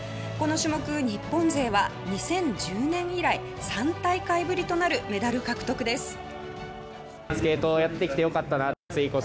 この種目日本勢は２０１０年以来３大会ぶりとなるメダル獲得です。